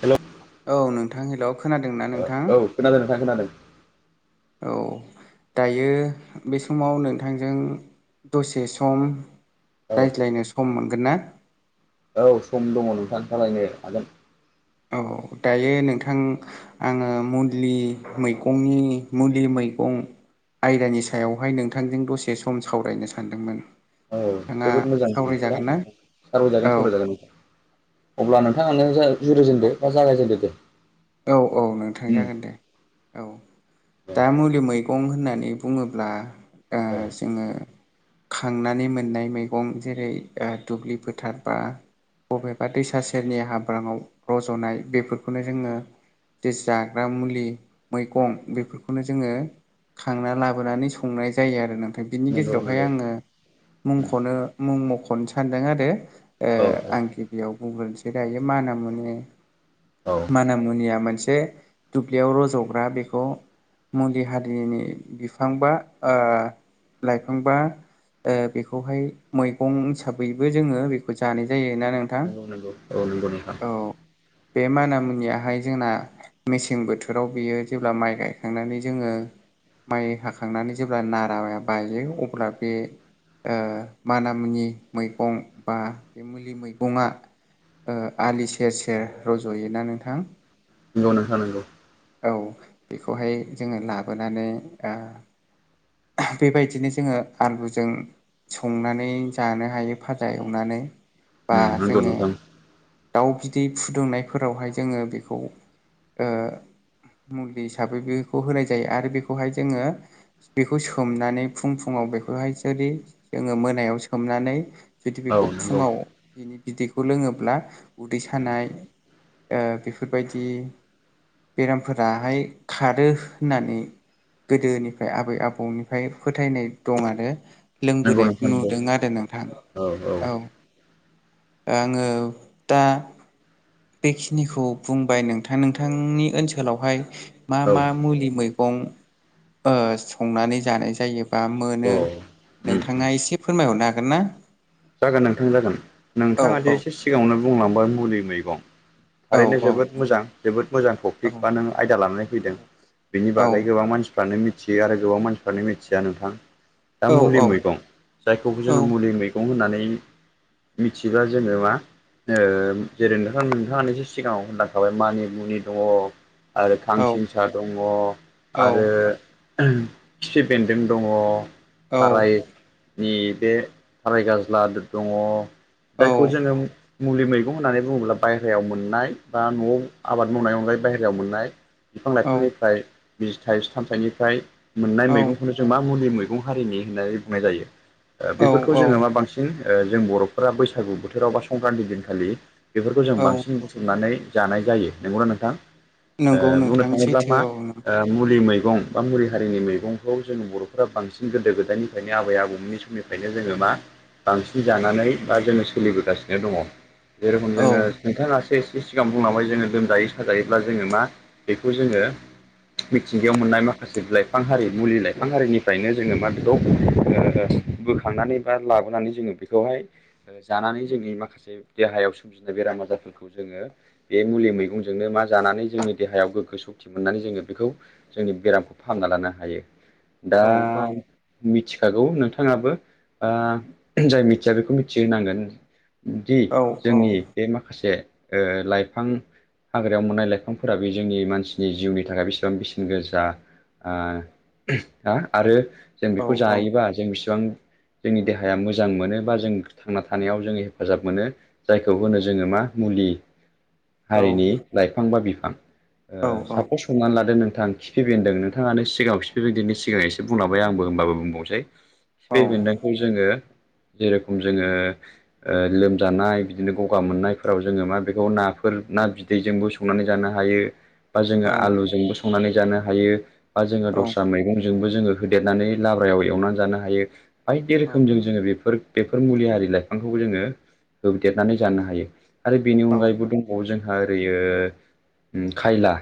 Hello औ नोंथां hello खोनादोंना नोंथां? औ खोनादों नोंथां खोनादों औ दायो बे समाव नोंथांजों दसे सम औ रायज्लायनो सम मोनगोन ना? औ सम दङ नोंथां। लारायनो हागोन। औ दायो नोंथां आङो मुलि मैगंनि मुलि मै गं आयदानि सायावहाय नोंथांजों दसे सम सावरायनो सानदोंमोन। औ नोंथाङा जोबोद मोजां दा सावरायजागोन ना नोंथां। सावराय जागोन औ सावराय जागोन नोंथां। अब्ला नोंथां जुरिजेनदो बा जागायजेनदो दे। औ औ नोंथां जागोन दे। औ दा मुलि मैगं होननानै यै बुङोब्ला ओ औ जोङो खांनानै मोननाय मैगं जेरै ओ दुब्लि फोथार बा। बबेबा दैसा सेरनि हाब्राङाव रज'नाय बेफोरखौनो जोङो। जे जाग्रा मुलि मैगं बेफोरखौनो जोङो। खांना लाबोनानै संनाय जायो आरो नों ओ बिनि नंगौ गेजेरावहाय नंगौ आङो मुंखनो मुं मख'नो सान्दों आरो। ओ औ आं गिबियाव बुंग्रोनोसै दायो माना मुनि औ या मोनसे दुब्लियाव रजग्रा बेखौ मुलि हारिनि बिफांबा ओ लाइफांबा ओ बेखौहाय मैगं हिसाबैबो जोङो बेखौ जानाय जायोना नोंथां। नंगौ नंगौ औ नंगौ नोंथां औ बे माना मुनिया बेहाय जोंना मेसें बोथोराव बियो जेब्ला माइ गायखांनानै जोङो। माइ हाखांनानै जेब्ला नाराया बायो। अब्ला बे ओ माना मुनि मैगं बा बे मुलि मैगंआ ओ आलि सेर सेर औ रज'योना नोंथां। नंगौ नोंथां नंगौ। औ बेखौहाय जोङो लाबोनानै ओ बेबायदिनो जोङो आलुजों संनानै जानो हायो फाजा एवनानै। बा उम नंगौ जोङो नोंथां। दाउ बिदै फुदुंनायफोरावहाय जोङो बेखौ ओ मुलि हिसाबै बेखौ होनाय जायो। आरो बेखौहाय जोङो बेखौ सोमनानै फुं फुं ङाव बेखौहाय जुदि जोङो मोनायाव सोमनानै जुदि औ बेखौ नंगौ फुङाव बिनि बिदैखौ लोङोब्ला उदै सानाय ओ बेफोरबायदि बेरामफोराहाय खारो होननानै गोदोनिफ्राय आबै आबौनिफ्राय फोथायनाय दं आरो। नंगौ लोंबोनायखौ नोंथां नंगौ नुदों आरो नोंथां। औ आङो दा बेखिनिखौ बुंबाय नोंथां। नोंथांनि ओनसोलावहाय मा औ मा मुलि मै गं ओ संनानै जानाय जायो। बा मोनो अ नोंथाङा एसे फोरमायहरनो हागोन ना? जागोन नोंथां जागोन औ नोंथाङादि औ एसे दे सिगाङावनो बुंलांबाय मुलि मैगं। औ थारैनो औ जोबोद मोजां जोबोद मोजां औ टपिक बा नों आयदा लानानै फैदों। बिनि औ बागै गोबां मानसिफ्रानो मिथियो। आरो गोबां मानसिफ्रानो मिथिया नोंथां। दा औ मुलि मैगं जायखौबो जोङो मुलि मैगं होननानै मिथिबा जेनेबा ओ जेरै नोंथां नोंथाङानो एसे सिगाङाव होनलांखाबाय मानि मुनि दङ। आरो खांसिंसा दङ औ आरो खिफि बेन्दों दङ खारायनि बे थाराय गाज्ला दङ औ जायखौ जोङो मुलि मैगं होननानै बुङोब्ला बायहेरायाव मोननाय बा न'आव आबाद मावनाय अनगायै बायहेरायाव मोननाय बिफां लाइफांनिफ्राय बिजिथाइ थाइ सामथाइनिफ्राय मोननाय औ मैगंखौनो जों मा मुलि मैगं हारिनि होननानै बुंनाय जायो औ बेफोरखौ जोङो मा बांसिन ओ जों बर'फोरा बैसागु बोथोराव बा संक्रान्ति दिनखालि बेफोरखौ जों औ बांसिन बुथुमनानै जानाय जायो नंगौना नोंथां नंगौ ओ बुंनो नोंथां थाङोब्ला मा सैथो मुलि मै मैगं बा मुलि हारिनि मैगंखौ जोंनि बर'फोरा बांसिन गोदो गोदायनिफ्रायनो आबै आबौमोननि समनिफ्रायनो जोङो मा बांसिन जानानै बा जोङो सोलिबोगासिनो दङ। जेरखम औ जोङो नोंथाङासो एसे एसे सिगां बुंलांबाय जोङो लोमजायो साजायोब्ला जोङो मा बेखौ जोङो मिथिंगायाव मोननाय माखासे लाइफां हारि मुलि लाइफां हारिनिफ्रायनो जोङो मा बेखौ ओ बो खांनानै बा लाबोनानै जोङो बेखौहाय जानानै जोंनि माखासे देहायाव सोमजिनाय बेराम आजार फुलखौ जोङो बे मुलि मैगंजोंनो मा जानानै जोंनि देहायाव गोग्गो सक्ति मोननानै जोङो बेखौ जोंनि बेरामखौ फाहामना लानो हायो दा औ मिथिखागौ नोंथाङाबो। ओ जाय मिथिया बेखौ मिथिहोनांगोन। दि औ औ जोंनि बे माखासे ओ लाइफां हाग्रायाव मोननाय लाइफांफोराबो जोंनि मानसिनि जिउनि थाखाय बेसेबां बेसेन गोसा। हा आरो जों औ बेखौ औ जायोबा जों बिसिबां जोंनि देहाया मोजां मोनो बा जों थांना थानायाव जों हेफाजाब मोनो जायखौ औ होनो जोङो मा मुलि औ हारिनि लाइफां बा बिफां। ओ औ सापस हमनानै लादो नोंथां खिफि बेनदों नोंथाङानो सिगाङाव खिफि बेन्दोंनि सिगां एसे बुंलांबाय आंबो होमबाबो बुंबावसै खिफि बेनदों गोन जेरेखम जोङो ओ लोमजानाय बिदिनो गगा मोननायफोराव जोङो मा बेखौ नाफोर ना बिदैजोंबो संनानै जानो हायो। बा जोङो आलुजोंबो संनानै जानो हायो बा जोङो दस्रा मैगंजोंबो जोङो होदेरनानै लाब्रायाव एवनानै जानो हायो बायदि औ रोखोमजों जोङो बेफोर बेफोर मुलि हारि लाइफांखौबो जोङो होदेरनानै जानो हायो आरो बेनि औ अनगायैबो दंबावो जों ओरैयो खायला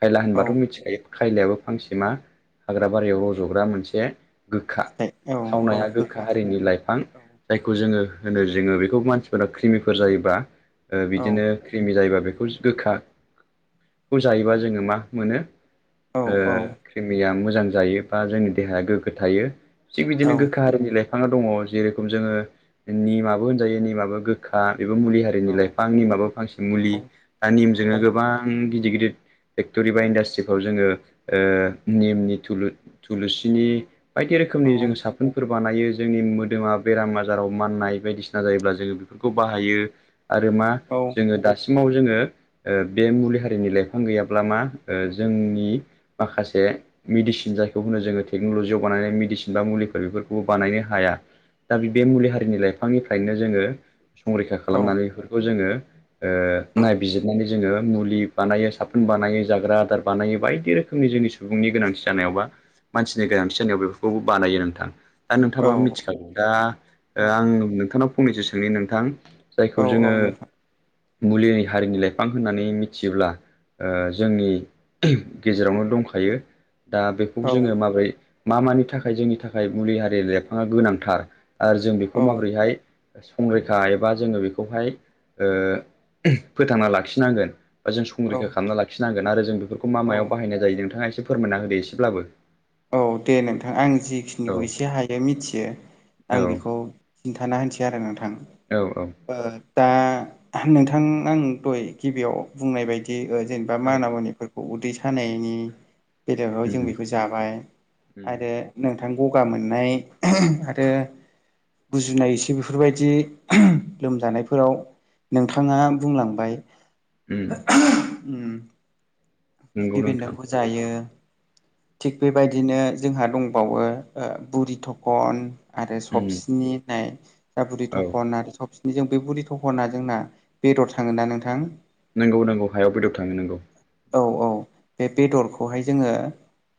खायला औ होनबाथ' मिथिखायो। खायलायाबो फांसे मा हाग्रा बारियाव रज'ग्रा मोनसे गोखा फिथाय औ। थावनाया गोखा हारिनि लाइफां जायखौ जों जोङो होनो जोङो बेखौ मानसिफोरा क्रिमिफोर जायोबा ओ औ बिदिनो क्रिमि जायोबा बेख खौ गोखा खौ जायोबा जोङो मा मोनो औ ओ क्रिमिया मोजां जायो बा जोंनि देहाया गोग्गो थायो थिग औ बिदिनो गोखा हारिनि लाइफाङा दङ जेरेखम जोङो निमाबो होनजायो निमाबो गोखा। बेबो मुलि हारिनि लाइफां निमाबो फांसे मुलि दा औ निमजोंनो गोबां गिदिर गिदिर फेक्ट'रि बा इन्डास्ट्रिफ्राव जोङो ओ निमनि थुलु थुलुसिनि बायदि रोखोमनि जोङो साफ बानायो जोंनि मोदोमा बेराम आजाराव माननाय बायदिसिना जायोब्ला जोङो बेफोरखौ बाहायो। आरो मा औ जोङो दासि सिमाव जोङो ओ बे मुलि हारिनि लाइफां गैयाब्ला मा जोंनि माखासे मेदिसिन जायखौ होनो जोङो टेकनलजियाव बानायनाय मेदिसिन बा मुलि बेफोरखौबो बानायनो हाया दा बे बे मुलि हारिनि लाइफांनिफ्रायनो जोङो संरैखा खालामनानै बेफोरखौ जोङो ओ नायबिजिरनानै जोङो मुलि बानायो साफोन बानायो जाग्रा आदार बानायो बायदि रो खोमनि जोंनि सुबुंनि गोनांथि जानायावबा मानसिनि गोनांथि जानायाव बेफोरखौबो बानायो नोंथां। दा नोंथाङाबाबो मिथिखागोव दा ओ आं नोंथांनाव फंनैसो सोंनि नोंथां। जायखौ जोङो नोंथां मुलिनि हारिनि लाइफां होननानै मिथियोब्ला ओ जोंनि गेजेरावनो दंखायो दा बेखौ जोङो माबोरै मा मानि थाखाय जोंनि थाखाय मुलि हारि लाइफाङा गोनांथार आरो जों बेखौ औ माबोरैहाय संरैखा एबा जोङो बेखौहाय ओ फोथांना लाखिनांगोन। बा जों औ संरैखा खालामना लाखिनांगोन आरो जों बेफोरखौ मा औ औ मायाव बाहायनाय जायो नोंथाङा एसे फोरमायना होदो एसेब्लाबो औ दे नोंथां आं जि औ -जिखिनिखौ एसे हायो मिथियो आं औ बेखौ खिन्थाना होनोसै आरो नोंथां। औ दा नोंथां आं दहाय गिबियाव बुंनाय बायदि जेनबा औ माना-मुनिफोरखौ उदै सानायनि बेलायावहाय‌ जों उम बेखौ जाबाय उम आरो। नोंथां गगा मोननाय आरो। गुजुनाय एसे बेफोरबायदि लोमजानायफोराव। नोंथाङा बुंलांबाय उम नंगौ खिफि नोंथां बेन्दोंखौ जायो। थिग बेबायदिनो जोंहा दंबावो बुरि थखन आरो उम सबसिनि होननाय। दा बुरि औ थखन आरो सबसिनि जों बे बुरि थखना जोंना बेदर थाङोना नोंथां। नंगौ नंगौ हायाव बेदर थाङो नंगौ। औ औ बे बेदरखौहाय जोङो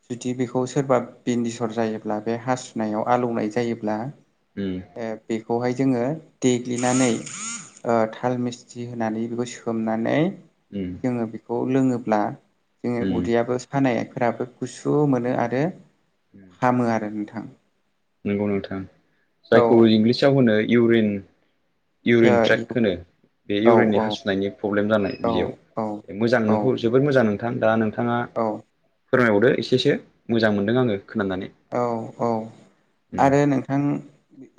जुदि बेखौ सोरबा बिन्दिसर जायोब्ला बे हासुनायाव आलौनाय जायोब्ला। ओ उम बेखौ। बेखौहाय जोङो देग्लिनानै थाल मिस्थि होनानैबो बेखौ सोमनानै उम जोङो बेखौ लोङोब्ला जोङो उम उदैयाबो सानाय फोराबो गुसु मोनो आरो उम हामो आरो नोंथां। नंगौ नोंथां। जायखौ औ इंलिसाव होनो इउरिन इउरिन ट्रेक होनो, बे औ इउरिननि हासुनायनि प्रब्लेम जानाय औ बियाव। मोजां औ नोंखौ जबोर मोजां नों नोंथां दा नोंथाङा औ फोरमायबावदो एसेसो मोजां मोनदों आङो। खोनानानै औ औ उम आरो नोंथां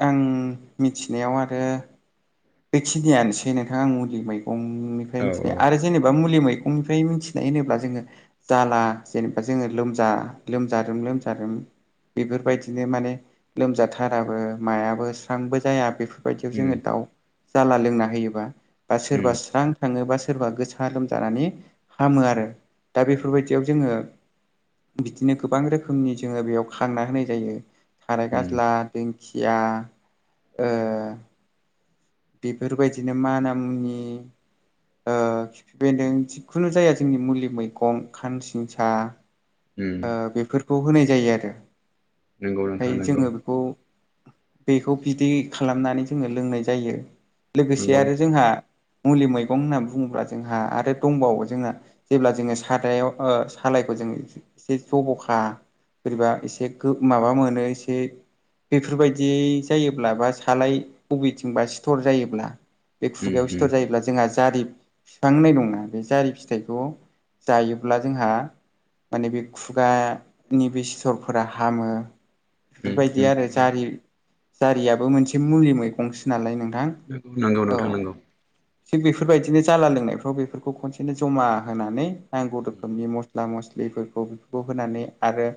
आं मिथिनायाव आरो बेखिनियानोसै नोंथां आं मुलि बायदि गंनिफ्राय औ मिथिनाया औ आरो जेनबा मुलि मै मैगंनिफ्राय मिथिनाय होनोब्ला जोङो जाला जेनेबा जोङो लोमजा लोमजारोम लोमजारोम बेफोरबायदिनो माने लोमजाथाराबो मायाबो स्रांबो जाया बेफोर बेफोरबायदियाव उम जोङो दाउ जाला लोंना होयोबा बा सोरबा उम स्रां थाङो बा सोरबा गोसा लोमजानानै हामो आरो। दा उम बेफोरबायदियाव जोङो। बिदिनो गोबां रोखोमनि जोङो बेयाव खांना होनाय जायो। थाराय उम गाज्ला, दें खिया, ओ बेफोरबायदिनो माना मुनि ओ खिफिबेन्दों जिखुनु जाया जोंनि मुलि मैगं खानसिंसा उम ओ बेफोरखौ होनाय जायो आरो। नंगौ ओमफ्राय नोंथां नंगौ जोङो बेखौ बेखौ बिदै खालामनानै जोङो लोंनाय जायो लोगोसे नंगौ आरो नोंथां। जोंहा मुलि मैगं होनना बुङोब्ला जोंहा आरो दंबावो जोंना जेब्ला जोङो सारायाव ओ सालाइखौ जों एसे जब'खा बोरैबा एसे गो माबा मोनो एसे बेफोरबायदि जायोब्ला बा सालाइ बबेथिंबा सिथर जायोब्ला बे उम खुगायाव उम सिथर जायोब्ला जोंहा। जारि बिफां होननाय दंना बे जारि फिथाइखौ जायोब्ला जोंहा माने बे खुगानि बे सिथरफोरा हामो। उम बेफोरबायदि उम आरो जारि जारियाबो मोनसे मुलि मैगंसो नालाय नोंथां। नोंगौ नंगौ औ नोंथां नांगौ। थिग बेफोरबायदिनो जाला लोंनायफ्राव बेफोरखौ खनसेनो ज'मा होनानै नांगौ रोखोमनि मस्ला मस्लि बेफोरखौ बेफोरखौ होनानै आरो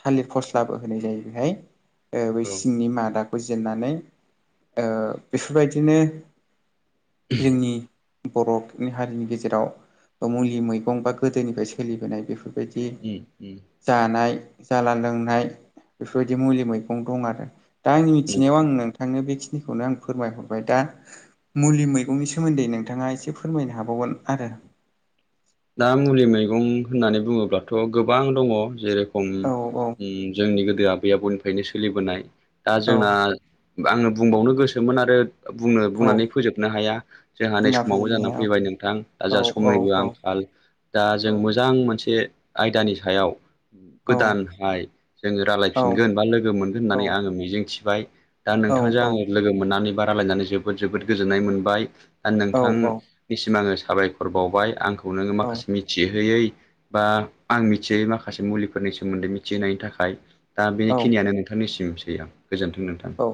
थालिर फस्लाबो होनाय जायो बेहाय। ओ बै औ सिंनि मादाखौ जिरनानै ओ बेफोरबायदिनो जोंनि बर'नि हारिनि गेजेराव मुलि मैगं बा गोदोनिफ्राय सोलिबोनाय बेफोर बायदि उम उम जानाय जाला लोंनाय बेफोरबायदि मुलि मैगं दं आरो। दा आंनि नंगौ मिथिनायाव आं नोंथां नोंथांनो बेखिनि खौनो आं फोरमायहरबाय दा मुलि मैगंनि सोमोन्दै नोंथाङा एसे फोरमायनो हाबावगोन आरो। [inaudible] दा मुलि मैगं होननानै बुङोब्लाथ' गोबां दङ। जेरै [unintelligible] ओम औ जोंनि गोदो आबै आबौनिफ्रायनो सोलिबोनाय। दा औ जोंना आङो बुंबावनो गोसोमोन आरो बुंनो औ बुंनानै फोजोबनो हाया। जोंहा नै बुंना समाबो फोजोबनो जानानै हाया फैबाय नोंथां दा औ जाहा औ समनिबो आं औ दा औ जों मोजां मोनसे आयदानि सायाव औ गोदानहाय जोङो औ रायलायफिनगोन बा लोगो मोनगोन होननानै औ आङो मिजिंथिबाय। दा नोंथांजों आङो लोगो मोननानै बा रायलायनानै जोबोद जोबोद गोजोननाय मोनबाय। दा औ नोंथांनिसिम आङो साबायखर बावबाय आंखौ नोङो औ माखासे मिथिहोयै बा आं मिथियै माखासे मुलिफोरनि सोमोन्दै मिथिहोनायनि थाखाय। दा बेखिनियानो नोंथांनिसिमसै आं। गोजोन्थों नोंथां औ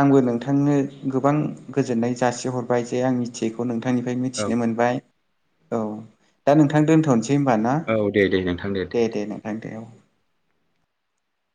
आंबो नोंथांनो गोबां गोजोननाय जासिहरबाय जे आं मिथियैखौ नोंथां निफ्राय औ मिथिनो मोनबाय। औ दा नोंथां दोनथ'नोसै सै होनबा ना? औ दे दे नोंथां दे दे नोंथां दे औ।